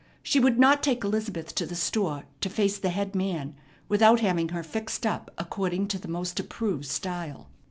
She would not take Elizabeth to the store to face the head man without having her fixed up according to the most approved style.